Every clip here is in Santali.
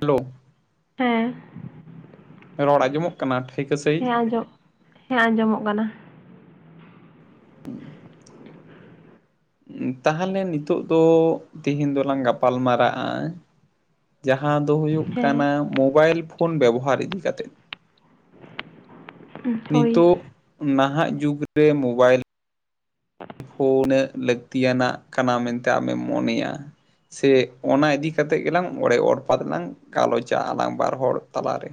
ᱦᱮᱞᱳ ᱦᱮᱸ ᱨᱚᱲ ᱟᱸᱡᱚᱢᱚᱜ ᱠᱟᱱᱟ ᱴᱷᱟᱹᱭᱠᱟᱹ ᱥᱟᱹᱦᱤᱡ ᱦᱮᱸ ᱟᱸᱡᱚᱢ ᱦᱮᱸ ᱟᱸᱡᱚᱢᱚᱜ ᱠᱟᱱᱟ [inaudible] ᱛᱟᱦᱚᱞᱮ ᱱᱤᱛᱚᱜ ᱫᱚ ᱛᱮᱦᱤᱧ ᱫᱚᱞᱟᱝ ᱜᱟᱯᱟᱞ ᱢᱟᱨᱟᱜᱼᱟ ᱡᱟᱦᱟᱸ ᱫᱚ ᱦᱩᱭᱩᱜ ᱠᱟᱱᱟ ᱦᱮᱸ ᱢᱳᱵᱟᱭᱤᱞ ᱯᱷᱳᱱ ᱵᱮᱵᱚᱦᱟᱨ ᱤᱫᱤ ᱠᱟᱛᱮᱫ [inaudible] ᱦᱳᱭ ᱱᱤᱛᱚᱜ ᱱᱟᱦᱟᱜ ᱡᱩᱜᱽ ᱨᱮ ᱢᱳᱵᱟᱭᱤᱞ ᱯᱷᱳᱱ ᱩᱱᱟᱹᱜ ᱞᱟᱹᱠᱛᱤᱭᱟᱱᱟᱜ ᱠᱟᱱᱟ ᱢᱮᱱᱛᱮ ᱟᱢᱮᱢ ᱢᱚᱱᱮᱭᱟ ᱥᱮ ᱚᱱᱟ ᱤᱫᱤ ᱠᱟ ᱠᱟᱛᱮᱫ ᱜᱮᱞᱟᱝ ᱚᱲᱮ ᱲᱯᱟᱛᱞᱟᱝ ᱜᱟᱞᱚᱪᱟ ᱟᱞᱟᱝ ᱵᱟᱨ ᱦᱚᱲ ᱛᱟᱞᱟᱨᱮ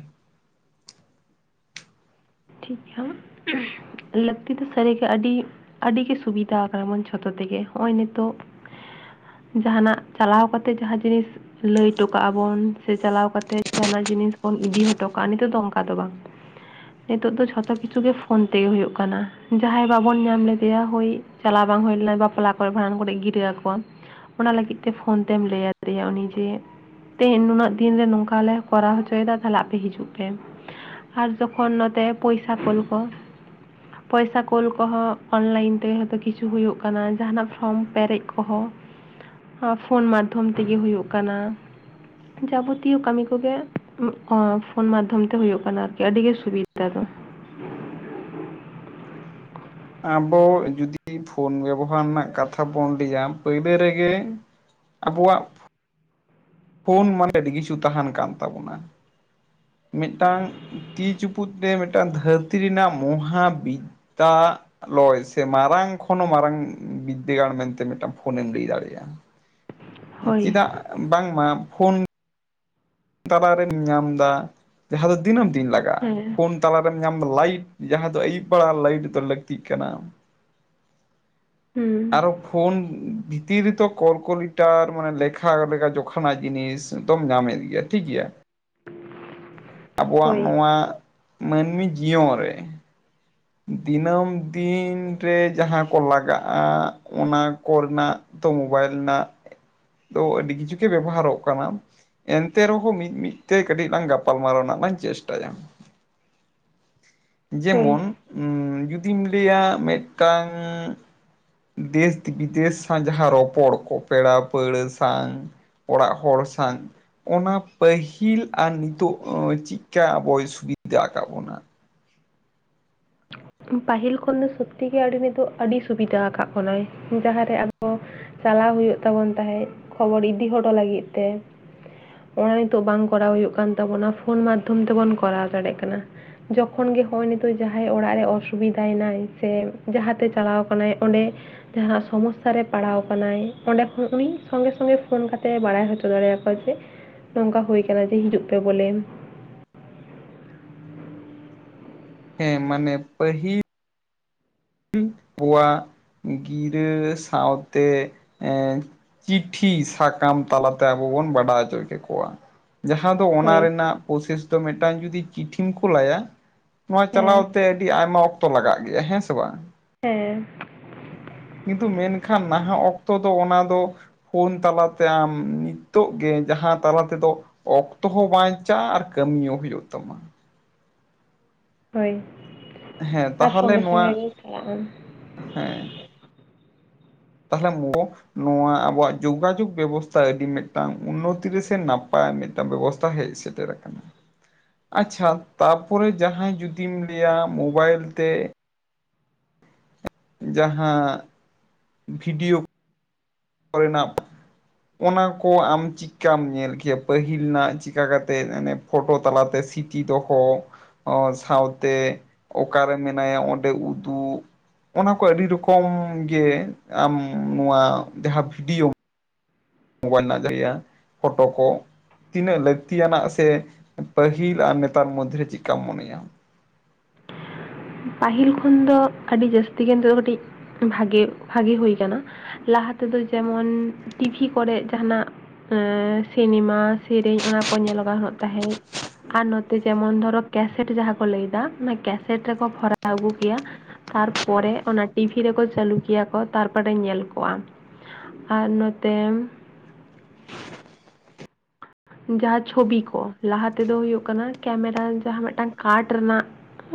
ᱴᱷᱤᱠ ᱜᱮᱭᱟ ᱞᱟᱹᱠᱛᱤ ᱫᱚ ᱥᱟᱹᱨᱤ ᱜᱮ ᱟᱹᱰᱤ ᱟᱹᱰᱤ ᱜᱮ ᱥᱩᱵᱤᱫᱷᱟ ᱠᱟᱱᱟ ᱢᱚᱱ ᱡᱷᱚᱛᱚ ᱛᱮᱜᱮ ᱱᱚᱜᱼᱚᱭ ᱱᱤᱛᱚᱜ ᱡᱟᱦᱟᱱᱟᱜ ᱪᱟᱞᱟᱣ ᱠᱟᱛᱮ ᱡᱟᱦᱟᱸ ᱡᱤᱱᱤᱥ ᱞᱟᱹᱭ ᱦᱚᱴᱚᱠᱟᱜ ᱟᱵᱚᱱ ᱥᱮ ᱪᱟᱞᱟᱣ ᱠᱟᱛᱮ ᱡᱟᱦᱱᱟᱜ ᱡᱤᱱᱤᱥ ᱵᱚᱱ ᱤᱫᱤ ᱦᱚᱴᱚ ᱠᱟᱜᱼᱟ ᱱᱤᱛᱚᱜ ᱫᱚ ᱚᱱᱠᱟ ᱫᱚ ᱵᱟᱝ ᱱᱤᱛᱚᱜ ᱫᱚ ᱡᱷᱚᱛᱚ ᱠᱤᱪᱷᱩ ᱜᱮ ᱯᱷᱳᱱ ᱛᱮᱜᱮ ᱦᱩᱭᱩᱜ ᱠᱟᱱᱟ ᱡᱟᱦᱟᱸᱭ ᱵᱟᱵᱚᱱ ᱧᱟᱢ ᱞᱮᱫᱮᱭᱟ ᱦᱳᱭ ᱪᱟᱞᱟᱣ ᱵᱟᱝ ᱦᱩᱭ ᱞᱮᱱᱟ ᱵᱟᱯᱞᱟ ᱠᱚᱨᱮᱜ ᱵᱷᱟᱸᱰᱟᱱ ᱠᱚᱨᱮᱜ ᱜᱤᱨᱟᱹ ᱟᱠᱚᱣᱟᱢ ᱚᱱᱟ ᱞᱟᱹᱜᱤᱫ ᱛᱮ ᱯᱷᱳᱱ ᱛᱮᱢ ᱞᱟᱹᱭ ᱟᱫᱮᱭᱟ ᱩᱱᱤ ᱡᱮ ᱛᱮᱦᱮᱧ ᱱᱩᱱᱟᱹᱜ ᱫᱤᱱᱨᱮ ᱱᱚᱝᱠᱟ ᱞᱮ ᱠᱚᱨᱟᱣ ᱦᱚᱪᱚᱭᱮᱫᱟ ᱛᱟᱦᱞᱮ ᱟᱯᱮ ᱦᱤᱡᱩᱜ ᱯᱮ ᱟᱨ ᱡᱚᱠᱷᱚᱱ ᱱᱚᱛᱮ ᱯᱚᱭᱥᱟ ᱠᱳᱞ ᱠᱚ ᱯᱚᱭᱥᱟ ᱠᱳᱞ ᱠᱚᱦᱚᱸ ᱚᱱᱞᱟᱭᱤᱱ ᱛᱮ ᱦᱚᱛᱚ ᱠᱤᱪᱷᱩ ᱦᱩᱭᱩᱜ ᱠᱟᱱᱟ ᱡᱟᱦᱟᱱᱟᱜ ᱯᱷᱨᱚᱢ ᱯᱮᱨᱮᱡ ᱠᱚᱦᱚᱸ ᱯᱷᱳᱱ ᱢᱟᱫᱽᱫᱷᱚᱢ ᱛᱮᱜᱮ ᱦᱩᱭᱩᱜ ᱠᱟᱱᱟ ᱡᱟᱵᱚᱛᱤᱭᱚ ᱠᱟᱹᱢᱤ ᱠᱚᱜᱮ ᱯᱷᱳᱱ ᱢᱟᱫᱽᱫᱷᱚᱢ ᱛᱮ ᱦᱩᱭᱩᱜ ᱠᱟᱱᱟ ᱟᱨᱠᱤ ᱟᱹᱰᱤ ᱜᱮ ᱥᱩᱵᱤᱫᱷᱟ [inaudible] ᱟᱵᱚ ᱡᱩᱫᱤ ᱯᱷᱳᱱ ᱵᱮᱵᱚᱦᱟᱨ ᱨᱮᱱᱟᱜ ᱠᱟᱛᱷᱟ ᱵᱚᱱ ᱞᱟᱹᱭᱟ ᱯᱳᱭᱞᱳ ᱨᱮᱜᱮ ᱟᱵᱚᱣᱟᱜ ᱯᱷᱳᱱ ᱢᱟᱱᱮ ᱟᱹᱰᱤ ᱠᱤᱪᱷᱩ ᱛᱟᱦᱮᱱ ᱠᱟᱱ ᱛᱟᱵᱚᱱᱟ ᱢᱤᱫᱴᱟᱝ ᱛᱤ ᱪᱩᱯᱩᱫ ᱨᱮ ᱢᱤᱫᱴᱟᱝ ᱫᱷᱟᱹᱨᱛᱤ ᱨᱮᱱᱟᱜ ᱢᱚᱦᱟ ᱵᱤᱼᱼ ᱛᱟᱜ ᱞᱚᱭ ᱥᱮ ᱢᱟᱨᱟᱝ ᱠᱷᱚᱱ ᱦᱚᱸ ᱢᱟᱨᱟᱝ ᱵᱤᱫᱽᱫᱟᱹᱜᱟᱲ ᱢᱮᱱᱛᱮ ᱢᱤᱫᱴᱟᱝ ᱯᱷᱳᱱᱮᱢ ᱞᱟᱹᱭ ᱫᱟᱲᱮᱭᱟᱜᱼᱟ᱾ [unintelligible] ᱪᱮᱫᱟᱜ ᱵᱟᱝᱢᱟ ᱯᱷᱳᱱ ᱛᱟᱞᱟᱨᱮᱢ ᱧᱟᱢ ᱮᱫᱟ ᱡᱟᱦᱟᱸ ᱫᱚ ᱫᱤᱱᱟᱹᱢ ᱫᱤᱱ ᱞᱟᱜᱟᱜᱼᱟ ᱦᱮᱸ ᱯᱷᱳᱱ ᱛᱟᱞᱟᱨᱮᱢ ᱧᱟᱢ ᱮᱫᱟ ᱞᱟᱭᱤᱴ ᱡᱟᱦᱟᱸ ᱫᱚ ᱟᱹᱭᱩᱵ ᱵᱮᱲᱟ ᱞᱟᱭᱤᱴ ᱫᱚ ᱞᱟᱹᱠᱛᱤᱜ ᱠᱟᱱᱟ ᱦᱩᱸ ᱟᱨᱚ ᱯᱷᱳᱱ ᱛᱤ ᱨᱮ ᱫᱚ ᱠᱚᱞᱠᱚᱞᱤᱴᱟᱨ ᱢᱟᱱᱮ ᱞᱮᱠᱷᱟ ᱞᱮᱠᱟ ᱡᱚᱠᱷᱱᱟᱜ ᱡᱤᱱᱤᱥ ᱫᱚᱢ ᱧᱟᱢᱮᱫ ᱜᱮᱭᱟ ᱴᱷᱤᱠ ᱜᱮᱭᱟ ᱟᱵᱚᱣᱟᱜ ᱦᱳᱭ ᱱᱚᱣᱟ ᱢᱟᱹᱱᱢᱤ ᱡᱤᱭᱚᱱ ᱨᱮ [unintelligible] ᱫᱤᱱᱟᱹᱢ ᱫᱤᱱ ᱨᱮ ᱡᱟᱦᱟᱸ ᱠᱚ ᱞᱟᱜᱟᱜᱼᱟ ᱚᱱᱟ ᱠᱚᱨᱮ ᱨᱮᱱᱟᱜ ᱛᱚ ᱢᱳᱵᱟᱭᱤᱞ ᱨᱮᱱᱟᱜ ᱫᱚ ᱟᱹᱰᱤ ᱠᱤᱪᱷᱩ ᱜᱮ ᱵᱮᱵᱚᱦᱟᱨᱚᱜ ᱠᱟᱱᱟ ᱮᱱᱼᱼ ᱮᱱᱛᱮ ᱨᱮᱦᱚᱸ ᱢᱤᱫ ᱢᱤᱫ ᱛᱮ ᱠᱟᱹᱴᱤᱡ ᱞᱟᱝ ᱜᱟᱯᱟᱞᱢᱟᱨᱟᱣ ᱨᱮᱱᱟᱜ ᱞᱟᱝ ᱪᱮᱥᱴᱟᱭᱟ᱾ ᱡᱮᱢᱚᱱ ᱦᱳᱭ ᱩᱱ ᱡᱩᱫᱤᱢ ᱞᱟᱹᱭᱟ ᱢᱤᱫᱴᱟᱝ ᱫᱮᱥ-ᱵᱤᱫᱮᱥ ᱥᱟᱝ ᱡᱟᱦᱟ ᱨᱚᱯᱚᱲ ᱠᱚ ᱯᱮᱲᱟ ᱯᱟᱹᱲᱦᱟᱹ ᱥᱟᱶ ᱚᱲᱟᱜ ᱦᱚᱲ ᱥᱟᱶ ᱚᱱᱟ ᱯᱟᱹᱦᱤᱞ ᱟᱨ ᱱᱤᱛᱚᱜ ᱪᱮᱫᱠᱟ ᱟᱵᱚᱭ ᱥᱩᱵᱤᱫᱷᱟ ᱟᱠᱟᱫ ᱛᱟᱵᱚᱱᱟ᱾ ᱯᱟᱹᱦᱤᱞ ᱠᱷᱚᱱ ᱫᱚ ᱥᱚᱛᱤᱜᱮ ᱟᱹᱰᱤ ᱱᱤᱛᱚᱜ ᱟᱹᱰᱤ ᱥᱩᱵᱤᱫᱷᱟ ᱟᱠᱟᱫ ᱵᱚᱱᱟᱭ ᱡᱟᱦᱟᱸᱨᱮ ᱟᱵᱚ ᱪᱟᱞᱟᱣ ᱦᱩᱭᱩᱜ ᱛᱟᱵᱚᱱ ᱛᱟᱦᱮᱸᱜ ᱠᱷᱚᱵᱚᱨ ᱤᱫᱤ ᱦᱚᱴᱚ ᱞᱟᱹᱜᱤᱫ ᱛᱮ ᱚᱱᱟ ᱱᱤᱛᱚᱜ ᱵᱟᱝ ᱠᱚᱨᱟᱣ ᱦᱩᱭᱩᱜ ᱠᱟᱱ ᱛᱟᱵᱚᱱᱟ ᱯᱷᱳᱱ ᱢᱟᱫᱽᱫᱷᱚᱢ ᱛᱮᱵᱚᱱ ᱠᱚᱨᱟᱣ ᱫᱟᱲᱮᱭᱟᱜ ᱠᱟᱱᱟ᱾ ᱡᱚᱠᱷᱚᱱ ᱜᱮ ᱱᱚᱜᱼ ᱱᱤᱛᱚᱜ ᱡᱟᱦᱟᱸᱭ ᱚᱲᱟᱜ ᱨᱮ ᱚᱥᱩᱼᱼ ᱥᱩᱵᱤᱫᱟᱭᱱᱟᱭ ᱥᱮ ᱡᱟᱦᱟᱸᱛᱮ ᱪᱟᱞᱟᱣ ᱠᱟᱱᱟᱭ ᱚᱸᱰᱮ ᱡᱟᱦᱟᱸ ᱥᱚᱢᱚᱥᱥᱟ ᱨᱮ ᱯᱟᱲᱟᱣ ᱟᱠᱟᱱᱟᱭ ᱚᱸᱰᱮ ᱠᱷᱚᱱ ᱩᱱᱤ ᱥᱚᱸᱜᱮ ᱥᱚᱸᱜᱮ ᱯᱷᱳᱱ ᱠᱟᱛᱮ ᱵᱟᱲᱟᱭ ᱦᱚᱪᱚ ᱫᱟᱲᱮᱭᱟ ᱦᱳᱭ ᱥᱮ ᱱᱚᱝᱠᱟ ᱦᱩᱭ ᱠᱟᱱᱟ ᱡᱮ ᱦᱤᱡᱩᱜ ᱯᱮ ᱵᱚᱞᱮ ᱦᱮᱸ ᱢᱟᱱᱮ ᱯᱟᱦᱤᱞ [unintelligible] ᱜᱤᱨᱟᱹ ᱥᱟᱶᱛᱮ ᱮᱸ ᱪᱤᱴᱷᱤ ᱥᱟᱠᱟᱢ ᱛᱟᱞᱟᱛᱮ ᱟᱵᱚ ᱵᱚᱱ ᱵᱟᱰᱟᱭ ᱦᱚᱪᱚᱭ ᱠᱮᱠᱚᱣᱟ᱾ ᱡᱟᱦᱟᱸ ᱫᱚ ᱚᱱᱟ ᱦᱳᱭ ᱨᱮᱱᱟᱜ ᱯᱨᱚᱥᱮᱥ ᱫᱚ ᱢᱤᱫᱴᱟᱱ ᱡᱩᱫᱤ ᱪᱤᱴᱷᱤᱢ ᱠᱳᱞᱟᱭᱟ ᱱᱚᱣᱟ ᱪᱟᱞᱟᱣ ᱦᱮᱸ ᱛᱮ ᱟᱹᱰᱤ ᱟᱭᱢᱟ ᱚᱠᱛᱚ ᱞᱟᱜᱟᱜ ᱜᱮᱭᱟ ᱦᱮᱸ ᱥᱮ ᱵᱟᱝ ᱦᱮᱸ ᱠᱤᱱᱛᱩ ᱢᱮᱱᱠᱷᱟᱱ ᱱᱟᱦᱟᱜ ᱚᱠᱛᱚ ᱫᱚ ᱚᱱᱟ ᱫᱚ ᱯᱷᱳᱱ ᱛᱟᱞᱟᱛᱮ ᱟᱢ ᱱᱤᱛᱚᱜ ᱜᱮ ᱡᱟᱦᱟᱸ ᱛᱟᱞᱟ ᱛᱮᱫᱚ ᱚᱠᱛᱚ ᱦᱚᱸ ᱵᱟᱧᱪᱟᱜ ᱟᱨ ᱠᱟᱹᱢᱤᱭᱳ ᱦᱩᱭᱩᱜ ᱛᱟᱢᱟ᱾ ᱦᱳᱭ ᱦᱮᱸ ᱟᱨ ᱛᱟᱦᱚᱞᱮ ᱥᱚᱸᱜᱮ ᱥᱚᱸᱜᱮ ᱱᱚᱣᱟ ᱜᱮ ᱪᱟᱞᱟᱜᱼᱟᱢ᱾ ᱦᱮᱸ ᱛᱟᱦᱞᱮ ᱢᱚᱼᱼ ᱱᱚᱣᱟ ᱟᱵᱚᱣᱟᱜ ᱡᱳᱜᱟᱡᱳᱜᱽ ᱵᱮᱵᱚᱥᱛᱷᱟ ᱟᱹᱰᱤ ᱢᱤᱫᱴᱟᱝ ᱩᱱᱱᱚᱛᱤ ᱨᱮᱥᱮ ᱱᱟᱯᱟᱭ ᱢᱤᱫᱼᱼ [unintelligible] ᱵᱮᱵᱚᱥᱛᱟ ᱦᱮᱡ ᱥᱮᱴᱮᱨ ᱟᱠᱟᱱᱟ [inaudible] ᱟᱪᱪᱷᱟ ᱛᱟᱯᱚᱨᱮ ᱡᱟᱦᱟᱸᱭ ᱡᱩᱫᱤᱢ ᱞᱮᱭᱟ ᱢᱳᱵᱟᱭᱤᱞ ᱛᱮ ᱡᱟᱦᱟᱸ ᱵᱷᱤᱰᱤᱭᱳ ᱨᱮᱱᱟᱜ ᱚᱱᱟ ᱠᱚ ᱟᱢ ᱪᱤ ᱪᱤᱠᱟᱢ ᱧᱮᱞ ᱠᱮᱭᱟ ᱯᱟᱹᱦᱤᱞ ᱨᱮᱱᱟᱜ ᱪᱤᱠᱟ ᱠᱟᱛᱮ ᱮᱱᱮ ᱯᱷᱳᱴᱳ ᱛᱟᱞᱟᱛᱮ ᱥᱤᱛᱤ ᱫᱚᱦᱚ ᱚ ᱥᱟᱶᱛᱮ ᱚᱠᱟᱨᱮ ᱢᱮᱱᱟᱭᱟ ᱚᱸᱰᱮ ᱩᱫᱩᱜ ᱚᱱᱟ ᱠᱚ ᱟᱹᱰᱤ ᱨᱚᱠᱚᱢ ᱜᱮ ᱟᱢ, ᱱᱚᱣᱟ ᱡᱟᱦᱟᱸ ᱵᱷᱤᱰᱤᱭᱳ ᱢᱳᱵᱟᱭᱤᱞ ᱨᱮᱱᱟᱜ [inaudible] ᱯᱷᱚᱴᱚ ᱠᱚ ᱛᱤᱱᱟᱹᱜ ᱞᱟᱹᱠᱛᱤᱭᱟᱱᱟᱜ ᱥᱮ ᱯᱟᱹᱦᱤᱞ ᱟᱨ ᱱᱮᱛᱟᱨ ᱢᱚᱫᱽᱫᱷᱮ ᱨᱮ ᱪᱮᱫᱠᱟᱢ ᱢᱚᱱᱮᱭᱟ᱾ ᱯᱟᱹᱦᱤᱞ ᱠᱷᱚᱱ ᱫᱚ ᱟᱹᱰᱤ ᱡᱟᱹᱥᱛᱤ ᱜᱮ ᱱᱤᱛᱚᱜ ᱠᱟᱹᱴᱤᱡ ᱵᱷᱟᱜᱮ ᱵᱷᱟᱜᱮ ᱦᱩᱭ ᱠᱟᱱᱟ᱾ ᱞᱟᱦᱟ ᱛᱮᱫᱚ ᱡᱮᱢᱚᱱ ᱴᱤᱵᱷᱤ ᱠᱚᱨᱮᱜ ᱡᱟᱦᱟᱱᱟᱜ ᱮᱸ ᱥᱤᱱᱮᱢᱟ ᱥᱮᱨᱮᱧ ᱚᱱᱟ ᱠᱚ ᱧᱮᱞᱚ ᱜᱟᱱᱚᱜ ᱛᱟᱦᱮᱸᱫ ᱟᱨ ᱱᱚᱛᱮ ᱡᱮᱢᱚᱱ ᱫᱷᱚᱨᱚ ᱠᱮᱥᱮᱴ ᱡᱟᱦᱟᱸ ᱠᱚ ᱞᱟᱹᱭᱫᱟ ᱚᱱᱟ ᱠᱮᱥᱮᱴ ᱨᱮᱠᱚ ᱵᱷᱚᱨᱟᱣ ᱟᱹᱜᱩ ᱠᱮᱭᱟ ᱛᱟᱨᱯᱚᱨᱮ ᱚᱱᱟ ᱴᱤᱵᱷᱤ ᱨᱮᱠᱚ ᱪᱟᱹᱞᱩ ᱠᱮᱭᱟ ᱠᱚ ᱛᱟᱨᱯᱚᱨᱮ ᱧᱮᱞ ᱠᱚᱣᱟᱢ ᱟᱨ ᱱᱚᱛᱮ ᱡᱟᱦᱟᱸ ᱪᱷᱚᱵᱤ ᱠᱚ ᱞᱟᱦᱟ ᱛᱮᱫᱚ ᱦᱩᱭᱩᱜ ᱠᱟᱱᱟ, ᱠᱮᱢᱮᱨᱟ ᱡᱟᱦᱟᱸ ᱢᱮᱫᱴᱟᱝ ᱠᱟᱴ ᱨᱮᱱᱟᱜ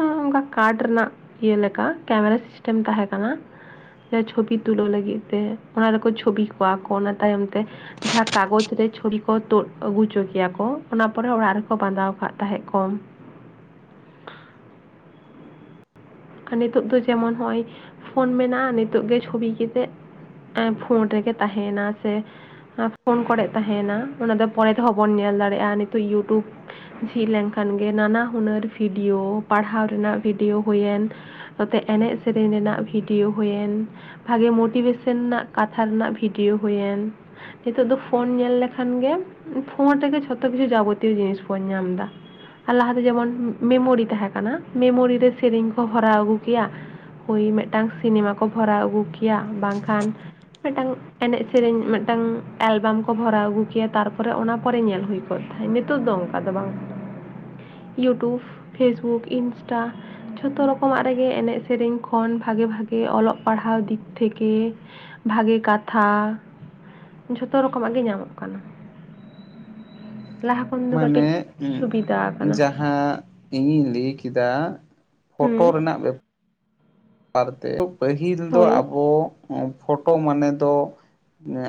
ᱚᱱᱠᱟ ᱠᱟᱴ ᱨᱮᱱᱟᱜ ᱤᱭᱟᱹ ᱞᱮᱠᱟ ᱠᱮᱢᱮᱨᱟ ᱥᱤᱥᱴᱮᱢ ᱛᱟᱦᱮᱸ ᱠᱟᱱᱟ᱾ ᱥᱮ ᱪᱷᱚᱵᱤ ᱛᱩᱞᱟᱹᱣ ᱞᱟᱹᱜᱤᱫ ᱛᱮ ᱚᱱᱟ ᱨᱮᱠᱚ ᱪᱷᱚᱵᱤ ᱠᱚᱣᱟ ᱠᱚ ᱚᱱᱟ ᱛᱟᱭᱚᱢ ᱛᱮ ᱡᱟᱦᱟᱸ ᱠᱟᱜᱡᱽ ᱨᱮ ᱪᱷᱩᱨᱤ ᱠᱚ ᱛᱳᱫ ᱟᱹᱜᱩ ᱪᱚ ᱠᱮᱭᱟ ᱠᱚ, ᱚᱱᱟ ᱯᱚᱨᱮ ᱚᱲᱟᱜ ᱨᱮᱠᱚ ᱵᱟᱸᱫᱟᱣ ᱟᱠᱟᱫ ᱛᱟᱦᱮᱸᱫ ᱠᱚᱢ ᱟᱨ ᱱᱤᱛᱚᱜ ᱫᱚ ᱡᱮᱢᱚᱱ ᱦᱚᱜᱼᱚᱭ ᱯᱷᱳᱱ ᱢᱮᱱᱟᱜᱼᱟ, ᱱᱤᱛᱚᱜ ᱜᱮ ᱠᱮᱛᱮᱜ ᱮ ᱯᱷᱳᱸᱴ ᱨᱮᱜᱮ ᱛᱟᱦᱮᱭᱱᱟ ᱥᱮ ᱯᱷᱳᱱ ᱠᱚᱨᱮᱜ ᱛᱟᱦᱮᱱᱟ, ᱚᱱᱟ ᱫᱚ ᱯᱚᱨᱮ ᱛᱮᱦᱚᱸ ᱵᱚᱱ ᱧᱮᱞ ᱫᱟᱲᱮᱭᱟᱜᱼᱟ, ᱱᱤᱛᱚᱜ ᱤᱭᱩᱴᱩᱵᱽ ᱡᱷᱤᱡ ᱞᱮᱱᱠᱷᱟᱱ ᱜᱮ ᱱᱟᱱᱟ ᱦᱩᱱᱟᱹᱨ ᱵᱷᱤᱰᱤᱭᱳ ᱯᱟᱲᱦᱟᱣ ᱨᱮᱱᱟᱜ ᱵᱷᱤᱰᱭᱳ ᱦᱩᱭᱮᱱ ᱱᱚᱛᱮ ᱮᱱᱮᱡᱽ ᱥᱮᱨᱮᱧ ᱨᱮᱱᱟᱜ ᱵᱷᱤᱰᱭᱳ ᱦᱩᱭᱮᱱ ᱵᱷᱟᱜᱮ ᱢᱳᱴᱤᱵᱷᱮᱥᱮᱱ ᱨᱮᱱᱟᱜ ᱠᱟᱛᱷᱟ ᱨᱮᱱᱟᱜ ᱵᱷᱤᱰᱤᱭᱳ ᱦᱩᱭᱮᱱ ᱱᱤᱛᱚᱜ ᱫᱚ ᱯᱷᱳᱱ ᱧᱮᱞ ᱞᱮᱠᱷᱟᱱ ᱜᱮᱢ ᱯᱷᱳᱱ ᱨᱮᱜᱮ ᱡᱷᱚᱛᱚ ᱠᱤᱪᱷᱩ ᱡᱟᱵᱚᱛᱤᱭᱚ ᱡᱤᱱᱤᱥ ᱵᱚᱱ ᱧᱟᱢᱫᱟ ᱟᱨ ᱞᱟᱦᱟᱛᱮ ᱡᱮᱢᱚᱱ ᱢᱮᱢᱳᱨᱤ ᱛᱟᱸᱦᱮ ᱠᱟᱱᱟ ᱢᱮᱢᱳᱨᱤ ᱨᱮ ᱥᱮᱨᱮᱧ ᱠᱚ ᱵᱷᱚᱨᱟᱣ ᱟᱹᱜᱩ ᱠᱮᱭᱟ ᱦᱩᱭ ᱢᱮᱫᱴᱟᱝ ᱥᱤᱱᱮᱢᱟ ᱠᱚ ᱵᱷᱚᱨᱟᱣ ᱟᱹᱜᱩ ᱠᱮᱭᱟ ᱵᱟᱝᱠᱷᱟᱱ ᱢᱮᱫᱴᱟᱝ ᱮᱱᱮᱡᱽ ᱥᱮᱨᱮᱧ ᱢᱮᱫᱴᱟᱝ ᱮᱞᱵᱟᱢ ᱠᱚ ᱵᱷᱚᱨᱟᱣ ᱟᱹᱜᱩ ᱠᱮᱭᱟ ᱛᱟᱨᱯᱚᱨᱮ ᱚᱱᱟ ᱯᱚᱨᱮ ᱧᱮᱞ ᱦᱩᱭᱠᱚᱜᱼᱟ [unintelligible] ᱱᱤᱛᱚᱜ ᱫᱚ ᱚᱱᱠᱟ ᱫᱚ ᱵᱟᱝ ᱤᱭᱩᱴᱩᱵᱽ, ᱯᱷᱮᱥᱵᱩᱠ, ᱤᱱᱥᱴᱟ ᱡᱷᱚᱛᱚ ᱨᱚᱠᱚᱢᱟᱜ ᱨᱮᱜᱮ ᱮᱱᱮᱡ ᱥᱮᱨᱮᱧ ᱠᱷᱚᱱ ᱵᱷᱟᱜᱮ ᱵᱷᱟᱜᱮ ᱚᱞᱚᱜ ᱯᱟᱲᱦᱟᱣ ᱫᱤᱠ ᱛᱷᱮᱠᱮ ᱵᱷᱟᱜᱮ ᱠᱟᱛᱷᱟ ᱡᱷᱚᱛᱚ ᱨᱚᱠᱚᱢᱟᱜ ᱜᱮ ᱧᱟᱢᱚᱜ ᱠᱟᱱᱟ ᱞᱟᱦᱟ ᱠᱷᱚᱱ ᱫᱚ ᱠᱟᱹᱴᱤᱡ ᱢᱟᱱᱮ ᱥᱩᱵᱤᱫᱟ ᱟᱠᱟᱱᱟ ᱡᱟᱦᱟᱸ ᱤᱧᱤᱧ ᱞᱟᱹᱭ ᱠᱮᱫᱟ ᱦᱩᱸ ᱯᱷᱳᱴᱳ ᱨᱮᱱᱟᱜ ᱵᱮᱯᱟᱨ ᱯᱟᱹᱦᱤᱞ ᱫᱚ ᱦᱳᱭ ᱟᱵᱚ ᱯᱷᱳᱴᱳ ᱢᱟᱱᱮ ᱫᱚ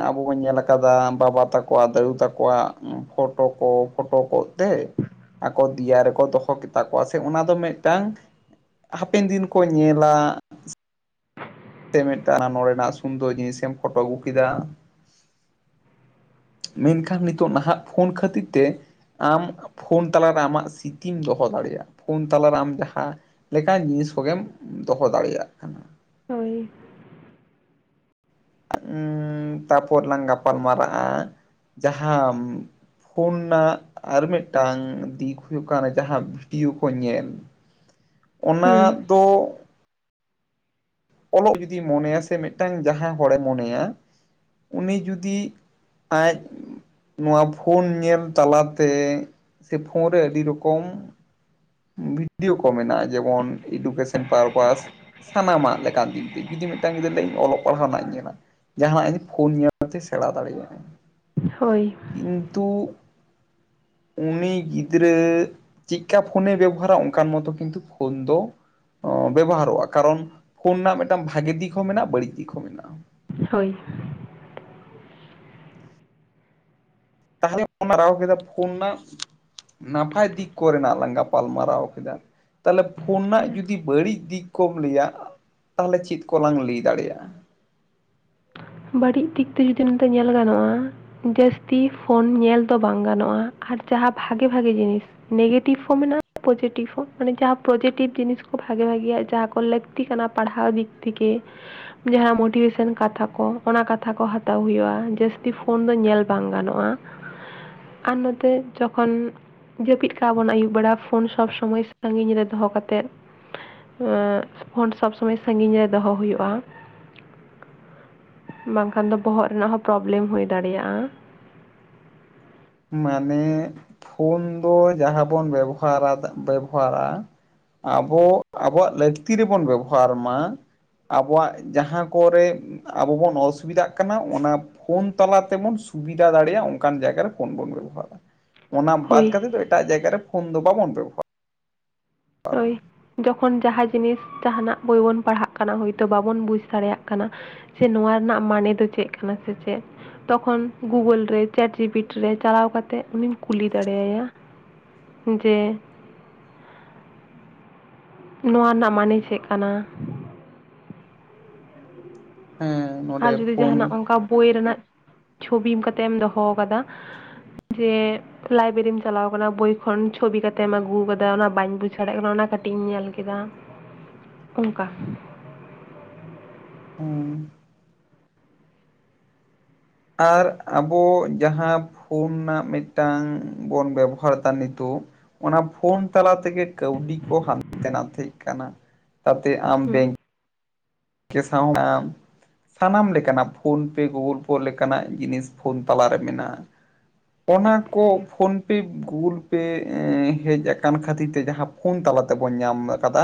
ᱟᱵᱚ ᱵᱚᱱ ᱧᱮᱞ ᱠᱟᱫᱟ ᱵᱟᱵᱟ ᱛᱟᱠᱚᱣᱟ ᱫᱟᱹᱫᱩ ᱛᱟᱠᱚᱣᱟᱜ ᱯᱷᱳᱴᱳ ᱠᱚ ᱯᱷᱳᱴᱳ ᱠᱚ ᱛᱮ ᱟᱠᱟ ᱫᱤᱭᱟ ᱨᱮᱠᱚ ᱫᱚᱦᱚ ᱠᱮᱫᱼᱼ ᱛᱟᱠᱚᱣᱟ ᱥᱮ ᱚᱱᱟ ᱫᱚ ᱢᱤᱫᱴᱟᱝ ᱦᱟᱯᱮᱱ ᱫᱤᱱ ᱠᱚ ᱧᱮᱞᱟ ᱛᱮ ᱢᱮᱫ ᱴᱟᱱ ᱟᱢ ᱱᱚᱰᱮᱱᱟᱜ ᱥᱩᱱᱫᱚᱨ ᱡᱤᱱᱤᱥᱮᱢ ᱯᱷᱳᱴᱳ ᱟᱹᱜᱩ ᱠᱮᱫᱟ ᱢᱮᱱᱠᱷᱟᱱ ᱱᱤᱛᱚᱜ ᱱᱟᱦᱟᱜ ᱯᱷᱳᱱ ᱠᱷᱟᱹᱛᱤᱨ ᱛᱮ ᱟᱢ ᱯᱷᱳᱱ ᱛᱟᱞᱟᱨᱮ ᱟᱢᱟᱜ ᱥᱨᱤᱛᱤᱢ ᱫᱚᱦᱚ ᱫᱟᱲᱮᱭᱟᱜᱼᱟ ᱯᱷᱳᱱ ᱛᱟᱞᱟᱨᱮ ᱟᱢ ᱡᱟᱦᱟᱸ ᱞᱮᱠᱟᱱ ᱡᱤᱱᱤᱥ ᱠᱚᱜᱮᱢ ᱫᱚᱦᱚ ᱫᱟᱲᱮᱭᱟᱜ ᱠᱟᱱᱟ ᱦᱳᱭ ᱩ ᱛᱟᱯᱚᱨ ᱞᱟᱝ ᱜᱟᱯᱟᱞ ᱢᱟᱨᱟᱜᱼᱟ ᱡᱟᱦᱟᱸ ᱯᱷᱳᱱ ᱱᱟᱜ ᱟᱨ ᱢᱤᱫᱴᱟᱝ ᱫᱤᱠ ᱦᱩᱭᱩᱜ ᱠᱟᱱᱟ ᱡᱟᱦᱟᱸ ᱵᱷᱤᱰᱤᱭᱳ ᱠᱚ ᱧᱮᱞ [unintelligible] ᱚᱱᱟ ᱦᱩᱸ ᱫᱚ ᱚᱞᱚᱜ ᱡᱩᱫᱤ ᱢᱚᱱᱮᱭᱟ ᱥᱮ ᱢᱤᱫᱴᱟᱝ ᱡᱟᱦᱟᱸᱭ ᱦᱚᱲᱮ ᱢᱚᱱᱮᱭᱟ ᱩᱱᱤ ᱡᱩᱫᱤ ᱟᱡ ᱱᱚᱣᱟ ᱯᱷᱳᱱ ᱧᱮᱞ ᱛᱟᱞᱟᱛᱮ ᱥᱮ ᱯᱷᱳᱱ ᱨᱮ ᱟᱹᱰᱤ ᱨᱚᱠᱚᱢ ᱵᱷᱤᱰᱭᱳ ᱠᱚ ᱢᱮᱱᱟᱜᱼᱟ ᱡᱮᱢᱚᱱ ᱮᱰᱩᱠᱮᱥᱚᱱ ᱯᱟᱨᱯᱟᱥ ᱥᱟᱱᱟᱢᱟᱜ ᱞᱮᱠᱟᱱ ᱫᱤᱠ ᱫᱤᱭᱮ ᱡᱩᱫᱤ ᱢᱤᱫᱴᱟᱝ ᱜᱤᱫᱽᱨᱟᱹ ᱚᱞᱚᱜ ᱯᱟᱲᱦᱟᱣ ᱨᱮᱱᱟᱜ-ᱮ ᱧᱮᱞᱟ ᱡᱟᱦᱟᱸᱱᱟᱜ ᱤᱧ ᱯᱷᱳᱱ ᱧᱮᱞ ᱛᱮ ᱥᱮᱬᱟ ᱫᱟᱲᱮᱭᱟᱜ-ᱟ ᱦᱳᱭ ᱠᱤᱱᱛᱩ ᱩᱱᱤ ᱜᱤᱫᱽᱨᱟᱹ ᱪᱤᱠᱟᱯᱼᱼ ᱯᱷᱳᱱᱮ ᱵᱮᱵᱚᱦᱟᱨᱟ ᱚᱱᱠᱟᱱ ᱢᱚᱛᱚ ᱠᱤᱱᱛᱩ ᱯᱷᱳᱱ ᱫᱚ ᱵᱮᱵᱚᱦᱟᱨᱚᱜᱼᱟ ᱠᱟᱨᱚᱱ ᱯᱷᱳᱱ ᱨᱮᱱᱟᱜ ᱢᱤᱫᱴᱟᱝ ᱵᱷᱟᱜᱮ ᱫᱤᱠ ᱦᱚᱸ ᱢᱮᱱᱟᱜᱼᱟ ᱵᱟᱹᱲᱤᱡ ᱫᱤᱠ ᱦᱚᱸ ᱢᱮᱱᱟᱜᱼᱟ ᱦᱳᱭ ᱛᱟᱦᱚᱞᱮ ᱦᱟᱨᱟᱣ ᱠᱮᱫᱟ ᱯᱷᱳᱱ ᱨᱮᱱᱟᱜ ᱱᱟᱯᱟᱭ ᱫᱤᱠ ᱠᱚᱨᱮᱱᱟᱜ ᱞᱟᱝ ᱜᱟᱯᱟᱞᱢᱟᱨᱟᱣ ᱠᱮᱫᱟ ᱛᱟᱦᱚᱞᱮ ᱯᱷᱳᱱ ᱨᱮᱱᱟᱜ ᱦᱮᱸ ᱡᱩᱫᱤ ᱵᱟᱹᱲᱤᱡ ᱫᱤᱠ ᱠᱚᱢ ᱞᱟᱹᱭᱟ ᱛᱟᱦᱚᱞᱮ ᱪᱮᱫ ᱠᱚ ᱞᱟᱝ ᱞᱟᱹᱭ ᱫᱟᱲᱮᱭᱟᱜᱼᱟ ᱵᱟᱹᱲᱤᱡ ᱫᱤᱠ ᱛᱮ ᱡᱩᱫᱤ ᱱᱤᱛᱚᱜ ᱧᱮᱞ ᱜᱟᱱᱚᱜᱼᱟ ᱡᱟᱹᱥᱛᱤ ᱯᱷᱳᱱ ᱧᱮᱞ ᱫᱚ ᱵᱟᱝ ᱜᱟᱱᱚᱜᱼᱟ ᱟᱨ ᱡᱟᱦᱟᱸ ᱵᱷᱟᱜᱮ ᱵᱷᱟᱜᱮ ᱡᱤᱱᱤᱥ ᱱᱮᱜᱮᱴᱤᱵᱷ ᱦᱚᱸ ᱢᱮᱱᱟᱜᱼᱟ ᱯᱚᱡᱮᱴᱤᱵᱷ ᱦᱚᱸ ᱢᱟᱱᱮ ᱡᱟᱦᱟᱸ ᱯᱚᱡᱮᱴᱤᱵᱷ ᱡᱤᱱᱤᱥ ᱠᱚ ᱵᱷᱟᱜᱮ ᱵᱷᱟᱜᱮᱤᱭᱟ ᱡᱟᱦᱟᱸ ᱞᱟᱠᱼᱼ ᱞᱟᱹᱠᱛᱤ ᱠᱟᱱᱟ ᱯᱟᱲᱦᱟᱣ ᱫᱤᱠ ᱛᱷᱮᱠᱮ ᱡᱟᱦᱟᱸ ᱢᱳᱴᱤᱵᱷᱮᱥᱚᱱ ᱠᱟᱛᱷᱟ ᱠᱚ ᱚᱱᱟ ᱠᱟᱛᱷᱟ ᱠᱚ ᱦᱟᱛᱟᱣ ᱦᱩᱭᱩᱜᱼᱟ ᱡᱟᱹᱥᱛᱤ ᱯᱷᱳᱱ ᱫᱚ ᱧᱮᱞ ᱵᱟᱝ ᱜᱟᱱᱚᱜᱼᱟ ᱟᱨ ᱱᱚᱛᱮ ᱡᱚᱠᱷᱚᱱ ᱡᱟᱹᱯᱤᱫ ᱠᱟᱜ-ᱟ ᱵᱚᱱ ᱟᱹᱭᱩᱵ ᱵᱮᱲᱟ ᱯᱷᱳᱱ ᱥᱚᱵ ᱥᱚᱢᱚᱭ ᱥᱟᱺᱜᱤᱧ ᱨᱮ ᱫᱚᱦᱚ ᱠᱟᱛᱮᱫ ᱯᱷᱳᱱ ᱥᱚᱵ ᱥᱚᱢᱚᱭ ᱥᱟᱺᱜᱤᱧ ᱨᱮ ᱫᱚᱦᱚ ᱦᱩᱭᱩᱜᱼᱟ ᱵᱟᱝᱠᱷᱟᱱ ᱫᱚ ᱵᱚᱦᱚᱜ ᱨᱮᱱᱟᱜ ᱦᱚᱸ ᱯᱨᱚᱵᱞᱮᱢ ᱦᱩᱭ ᱫᱟᱲᱮᱭᱟᱜᱼᱟ ᱢᱟᱱᱮ ᱯᱷᱳᱱ ᱫᱚ ᱡᱟᱦᱟᱸ ᱵᱚᱱ ᱵᱮᱵᱚᱦᱟᱫᱟ ᱵᱮᱵᱚᱦᱟᱨᱟ ᱟᱵᱚ ᱟᱵᱚᱣᱟᱜ ᱞᱟᱹᱠᱛᱤ ᱨᱮᱵᱚᱱ ᱵᱮᱵᱚᱦᱟᱨ ᱢᱟ ᱟᱵᱚᱣᱟᱜ ᱡᱟᱦᱟᱸ ᱠᱚᱨᱮ ᱟᱵᱚ ᱵᱚᱱ ᱚᱥᱩᱵᱤᱫᱷᱟᱜ ᱠᱟᱱᱟ ᱚᱱᱟ ᱯᱷᱳᱱ ᱛᱟᱞᱟ ᱛᱮᱵᱚᱱ ᱥᱩᱵᱤᱫᱟ ᱫᱟᱲᱮᱭᱟᱜᱼᱟ ᱚᱱᱠᱟᱱ ᱡᱟᱭᱜᱟ ᱨᱮ ᱯᱷᱳᱱ ᱵᱚᱱ ᱵᱮᱵᱚᱦᱟᱨᱟ ᱚᱱᱟ ᱵᱟᱫ ᱦᱳᱭ ᱠᱟᱛᱮ ᱫᱚ ᱮᱴᱟᱜ ᱡᱟᱭᱜᱟ ᱨᱮ ᱯᱷᱳᱱ ᱫᱚ ᱵᱟᱵᱚᱱ ᱵᱮᱵᱚᱦᱟᱨᱟ ᱦᱳᱭ ᱡᱚᱠᱷᱚᱱ ᱡᱟᱦᱟᱸ ᱡᱤᱱᱤᱥ ᱡᱟᱦᱟᱱᱟᱜ ᱵᱳᱭ ᱵᱚᱱ ᱯᱟᱲᱦᱟᱜ ᱠᱟᱱᱟ ᱦᱳᱭᱛᱳ ᱵᱟᱵᱚᱱ ᱵᱩᱡᱽ ᱫᱟᱲᱮᱭᱟᱜ ᱠᱟᱱᱟ ᱥᱮ ᱱᱚᱣᱟ ᱨᱮᱱᱟᱜ ᱢᱟᱱᱮ ᱫᱚ ᱪᱮᱫ ᱠᱟᱱᱟ ᱥᱮ ᱪᱮᱫ ᱛᱚᱠᱷᱚᱱ ᱜᱩᱜᱩᱞ ᱨᱮ ᱪᱮᱴ ᱡᱤᱯᱤᱴᱤ ᱨᱮ ᱪᱟᱞᱟᱣ ᱠᱟ ᱠᱟᱛᱮᱫ ᱩᱱᱤᱢ ᱠᱩᱞᱤ ᱫᱟᱲᱮ ᱟᱭᱟ ᱡᱮ ᱱᱚᱣᱟ ᱨᱮᱱᱟᱜ ᱢᱟᱹᱱᱮ ᱪᱮᱜ ᱠᱟᱱᱟ? ᱦᱮᱸ ᱾ ᱟᱨ ᱡᱩᱫᱤ ᱡᱟᱦᱟᱱᱟᱜ ᱚᱱᱠᱟ ᱵᱳᱭ ᱨᱮᱱᱟᱜ ᱪᱷᱚᱵᱤ ᱮᱢ ᱠᱟᱛᱮᱢ ᱫᱚᱦᱚ ᱠᱟᱫᱟ ᱡᱮ ᱞᱟᱭᱵᱮᱨᱤᱢ ᱪᱟᱞᱟᱣ ᱟᱠᱟᱱᱟ ᱵᱳᱭ ᱠᱷᱚᱱ ᱪᱷᱚᱵᱤ ᱠᱟᱛᱮᱢ ᱟᱹᱜᱩ ᱟᱠᱟᱫᱟ ᱚᱱᱟ ᱵᱟᱹᱧ ᱵᱩᱡ ᱫᱟᱲᱮᱭᱟᱜ ᱠᱟᱱᱟ ᱚᱱᱟ ᱠᱟᱹᱴᱤᱡ ᱤᱧ ᱧᱮᱞ ᱠᱮᱫᱟ ᱾ ᱚᱱᱠᱟ ᱦᱮᱸ ᱟᱨ ᱟᱵᱚ ᱡᱟᱦᱟᱸ ᱯᱷᱳᱱ ᱱᱟᱜ ᱢᱤᱫᱴᱟᱝ ᱵᱚᱱ ᱵᱮᱵᱚᱦᱟᱨ ᱫᱟ ᱱᱤᱛᱚᱜ ᱾ ᱚᱱᱟ ᱯᱷᱳᱱ ᱛᱟᱞᱟ ᱛᱮᱜᱮ ᱠᱟᱹᱣᱰᱤ ᱠᱚ ᱦᱟᱱᱛᱮ ᱱᱟ ᱛᱟᱦᱮᱸᱮᱡ ᱠᱟᱱᱟ ᱛᱟᱛᱮ ᱟᱢ ᱦᱩᱸ ᱵᱮᱝᱠ ᱠᱮ ᱥᱟᱶ [inaudible] ᱥᱟᱱᱟᱢ ᱞᱮᱠᱟᱱᱟᱜ ᱯᱷᱳᱱ ᱯᱮ ᱜᱩᱜᱳᱞ ᱯᱮ ᱞᱮᱠᱟᱱᱟᱜ ᱡᱤᱱᱤᱥ ᱯᱷᱳᱱ ᱛᱟᱞᱟᱨᱮ ᱢᱮᱱᱟᱜᱼᱟ ᱚᱱᱟ ᱠᱚ ᱯᱷᱳᱱ ᱯᱮ ᱜᱩᱜᱩᱞ ᱯᱮ ᱦᱮᱡ ᱟᱠᱟᱱ ᱠᱷᱟᱹᱛᱤᱨ ᱛᱮ ᱡᱟᱦᱟᱸ ᱯᱷᱳᱱ ᱛᱟᱞᱟ ᱛᱮᱵᱚᱱ ᱧᱟᱢ ᱟᱠᱟᱫᱟ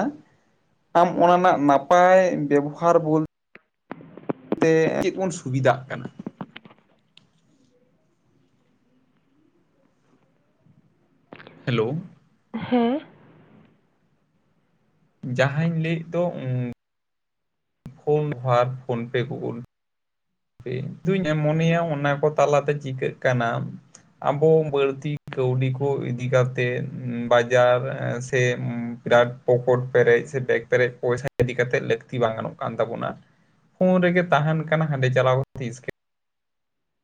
ᱟᱢ ᱚᱱᱟ ᱨᱮᱱᱟᱜ ᱱᱟᱯᱟᱭ ᱵᱮᱵᱚᱦᱟᱨ ᱵᱳᱞ ᱛᱮ ᱪᱮᱫ ᱵᱚᱱ ᱥᱩᱵᱤᱫᱷᱟᱜ ᱠᱟᱱᱟ ᱦᱮᱞᱳ ᱦᱮᱸ ᱡᱟᱦᱟᱧ ᱞᱟᱹᱭ ᱮᱫ ᱫᱚ ᱩᱸᱻ ᱯᱷᱳᱱ ᱜᱷᱟᱴ ᱯᱷᱳᱱ ᱯᱮ ᱜᱩᱜᱩᱞ ᱤᱧ ᱮ ᱢᱚᱱᱮᱭᱟ ᱚᱱᱟ ᱠᱚ ᱛᱟᱞᱟᱛᱮ ᱪᱤᱠᱟᱹᱜ ᱠᱟᱱᱟ ᱟᱵᱚ ᱵᱟᱹᱲᱛᱤ ᱠᱟᱹᱣᱰᱤ ᱠᱚ ᱤᱫᱤ ᱠᱟᱛᱮᱜ ᱵᱟᱡᱟᱨ ᱥᱮ ᱵᱤᱨᱟᱴ ᱯᱚᱠᱚᱴ ᱯᱮᱨᱮᱡ ᱥᱮ ᱵᱮᱜᱽ ᱯᱮᱨᱮᱡ ᱯᱚᱭᱥᱟ ᱤᱫᱤ ᱠᱟᱛᱮᱜ ᱞᱟᱹᱠᱛᱤ ᱵᱟᱝ ᱜᱟᱱᱚᱜ ᱠᱟᱱ ᱛᱟᱵᱚᱱᱟ ᱾ ᱯᱷᱳᱱ ᱨᱮᱜᱮ ᱛᱟᱦᱮᱱ ᱠᱟᱱᱟ ᱦᱟᱸᱰᱮ ᱪᱟᱞᱟᱣ ᱠᱟᱛᱮ ᱤᱥᱠ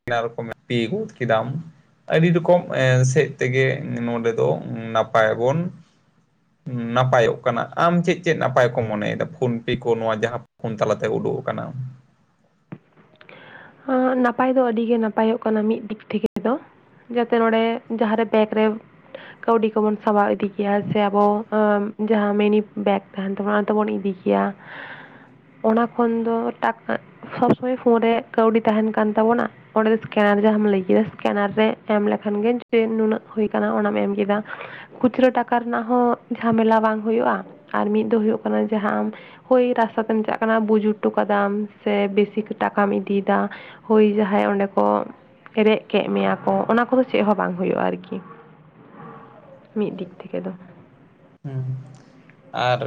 [unintelligible] ᱨᱚᱠᱚᱢ ᱟ ᱯᱤ ᱡᱩᱛ ᱠᱮᱫᱟᱢ ᱾ ᱟᱹᱰᱤ ᱫᱚᱠᱚᱢ ᱮ ᱥᱮᱡ ᱛᱮᱜᱮ ᱱᱚᱰᱮ ᱫᱚ ᱱᱟᱯᱟᱭ ᱵᱚᱱ ᱱᱟᱯᱟᱭᱼᱚᱜ ᱠᱟᱱᱟ ᱟᱢ ᱪᱮᱫ ᱪᱮᱫ ᱱᱟᱯᱟᱭ ᱠᱚ ᱢᱚᱱᱮᱭᱮᱫᱟ ᱯᱷᱳᱱ ᱯᱮ ᱠᱚ ᱱᱚᱣᱟ ᱡᱟᱦᱟᱸ ᱯᱷᱳᱱ ᱛᱟᱞᱟ ᱛᱮ ᱳᱰᱳᱜ ᱠᱟᱱᱟ ᱾ ᱦᱚᱸ ᱱᱟᱯᱟᱭ ᱫᱚ ᱟᱹᱰᱤ ᱜᱮ ᱱᱟᱯᱟᱭᱼᱚᱜ ᱠᱟᱱᱟ ᱢᱤᱫ ᱫᱤᱠ ᱛᱷᱮᱠᱮ ᱫᱚ ᱾ ᱡᱟᱛᱮ ᱱᱚᱰᱮ ᱡᱟᱦᱟᱸ ᱨᱮ ᱵᱮᱠ ᱨᱮ ᱠᱟᱹᱣᱰᱤ ᱠᱚ ᱵᱚᱱ ᱥᱟᱵᱟᱣ ᱤᱫᱤ ᱜᱮᱭᱟ ᱥᱮ ᱟᱵᱚ ᱚᱸ ᱡᱟᱦᱟᱸ ᱢᱤᱱᱤ ᱵᱮᱠ ᱛᱮᱦᱮᱱ ᱛᱟᱵᱚᱱᱟ ᱚᱱᱟ ᱛᱮᱵᱚᱱ ᱤᱫᱤ ᱜᱮᱭᱟ ᱾ ᱚᱱᱟ ᱠᱷᱚᱱ ᱫᱚ ᱴᱟᱠᱟ ᱥᱚᱵᱽ ᱥᱚᱢᱚᱭ ᱯᱷᱳᱱ ᱨᱮ ᱠᱟᱹᱣᱰᱤ ᱛᱟᱦᱮᱱ ᱠᱟᱱ ᱛᱟᱵᱚᱱᱟ ᱾ ᱚᱸᱰᱮ ᱥᱠᱮᱱ ᱡᱟᱦᱟᱸᱢ ᱞᱟᱹᱭ ᱠᱮᱫᱟ ᱥᱠᱮᱱᱟᱨ ᱨᱮ ᱮᱢ ᱞᱮᱠᱷᱟᱱ ᱜᱮ ᱡᱮ ᱱᱩᱱᱟᱹᱜ ᱦᱩᱭ ᱠᱟᱱᱟ ᱚᱱᱟᱢ ᱮᱢ ᱠᱮᱫᱟ ᱾ ᱠᱷᱩᱪᱨᱟᱹ ᱴᱟᱠᱟ ᱨᱮᱱᱟᱜ ᱦᱚᱸ ᱡᱷᱟᱢᱮᱞᱟ ᱵᱟᱝ ᱦᱩᱭᱩᱜᱼᱟ, ᱟᱨ ᱢᱤᱫ ᱫᱚ ᱦᱩᱭᱩᱜ ᱠᱟᱱᱟ ᱡᱟᱦᱟᱸ ᱟᱢ ᱦᱳᱭ ᱨᱟᱥᱛᱟ ᱛᱮᱢ ᱪᱟᱜ ᱠᱟᱱᱟ ᱵᱩᱡᱩᱨ ᱴᱩ ᱠᱟᱫᱟᱢ ᱥᱮ ᱵᱮᱥᱤ ᱠᱮ ᱴᱟᱠᱟᱢ ᱤᱫᱤᱭ ᱫᱟ ᱦᱳᱭ ᱡᱟᱦᱟᱸᱭ ᱚᱸᱰᱮ ᱠᱚ ᱨᱮᱜ ᱠᱮᱜ ᱢᱮᱭᱟ ᱠᱚ ᱚᱱᱟ ᱠᱚᱫᱚ ᱪᱮᱫ ᱦᱚᱸ ᱵᱟᱝ ᱦᱩᱭᱩᱜᱼᱟ ᱟᱨᱠᱤ ᱾ ᱢᱤᱜ ᱫᱤᱠ ᱛᱷᱮᱠᱮ ᱫᱚ ᱾ ᱦᱩᱸ ᱟᱨ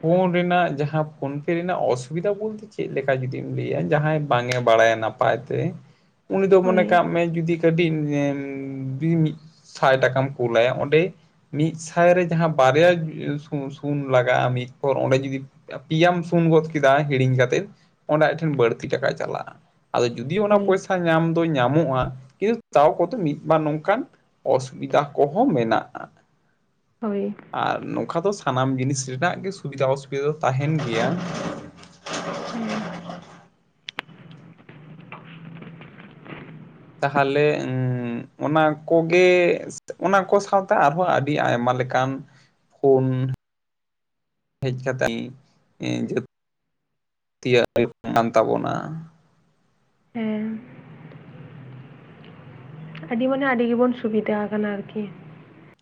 ᱯᱷᱳᱱ ᱨᱮᱱᱟᱜ ᱡᱟᱦᱟᱸ ᱯᱷᱳᱱ ᱯᱮ ᱨᱮᱱᱟᱜ ᱚᱥᱩᱵᱤᱫᱟ ᱵᱚᱞᱛᱮ ᱪᱮᱫ ᱞᱮᱠᱟ ᱡᱩᱫᱤᱢ ᱞᱟᱹᱭᱟ ᱡᱟᱦᱟᱸᱭ ᱵᱟᱝ ᱮ ᱵᱟᱲᱟᱭᱟ ᱱᱟᱯ ᱯᱟᱭ ᱛᱮ [inaudible] ᱩᱱᱤ ᱫᱚ ᱦᱳᱭ ᱢᱚᱱᱮ ᱠᱟᱜ ᱢᱮ ᱡᱩᱫᱤ [unintelligible] ᱧᱮᱢ ᱵᱤᱸ ᱢᱤᱫ ᱥᱟᱭ ᱴᱟᱠᱟᱢ ᱠᱩᱞ ᱞᱟᱭᱟ ᱚᱸᱰᱮ ᱢᱤᱫ ᱥᱟᱭ ᱨᱮ ᱡᱟᱦᱟᱸ ᱵᱟᱨᱭᱟ ᱡᱩ-ᱥᱩᱸ-ᱥᱩᱱ ᱞᱟᱜᱟᱜ-ᱟ ᱢᱤᱫ ᱯᱚᱨ ᱚᱸᱰᱮ ᱡᱩᱫᱤ ᱯᱤᱭᱟᱢ ᱥᱩᱱ ᱜᱚᱫ ᱠᱤᱫᱟ ᱦᱤᱲᱤᱧ ᱠᱟᱛᱮᱫ ᱚᱸᱰᱮ ᱟᱡ ᱴᱷᱮᱱ ᱵᱟᱹᱲᱛᱤ ᱴᱟᱠᱟ ᱪᱟᱞᱟᱜ-ᱟ ᱾ ᱟᱫᱚ ᱡᱩᱫᱤ ᱚᱱᱟ ᱦᱳᱭ ᱯᱚᱭᱥᱟ ᱧᱟᱢ ᱫᱚ ᱧᱟᱢᱚᱜ-ᱟ, ᱠᱤᱱ ᱛᱟᱣ ᱠᱚ ᱛᱮ ᱢᱤᱫ ᱵᱟᱨ ᱱᱚᱝᱠᱟᱱ ᱚᱥᱩᱵᱤᱫᱟ ᱠᱚ ᱦᱚᱸ ᱢᱮᱱᱟᱜ-ᱟ ᱾ ᱦᱚᱭ ᱾ ᱟᱨ ᱱᱚᱠᱷᱟ ᱫᱚ ᱥᱟᱱᱟᱢ ᱡᱤᱱᱤᱥ ᱨᱤᱱᱟᱜ ᱜᱮ ᱥᱩᱵᱤᱫᱟ ᱚᱥᱩᱵᱤᱫᱟ ᱫᱚ ᱛᱟᱦᱮᱱ ᱜᱮᱭᱟ ᱾ ᱦᱮᱸ ᱾ ᱛᱟᱦᱟᱞᱮ ᱩᱸ ᱚᱱᱟ ᱠᱚ ᱜᱮ ᱚᱱᱟ ᱠᱚ ᱥᱟᱶᱛᱮ ᱟᱨ ᱦᱚᱸ ᱟᱰᱤ ᱟᱭᱢᱟ ᱞᱮᱠᱟᱱ ᱯᱷᱳᱱ ᱦᱮᱡ ᱠᱟᱛᱮᱜ ᱟᱹᱞ ᱤ ᱡᱟᱹ ᱛᱤᱭᱟᱜ ᱦᱩᱭᱩᱜ ᱠᱟᱱ ᱛᱟᱵᱚᱱᱟ ᱾ ᱦᱮᱸ ᱾ ᱟᱹᱰᱤ ᱢᱟᱱᱮ ᱟᱰᱤ ᱜᱮᱵᱚᱱ ᱥᱩᱵᱤᱫᱟ ᱟᱠᱟᱱᱟ ᱟᱨᱠᱤ ᱾